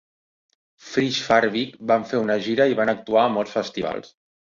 FreshFarbik van fer una gira i van actuar a molts festivals.